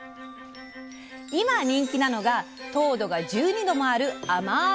今、人気なのが糖度が１２度もあるあまい